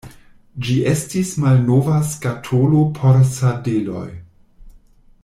Ĝi estis malnova skatolo por sardeloj.